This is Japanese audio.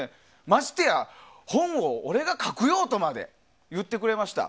ましてや本を俺が書くよとまで言ってくれました。